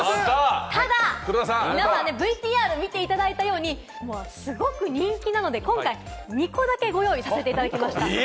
ただ皆さん、ＶＴＲを見ていただいたように、すごく人気なので、今回２個だけご用意させていただきました。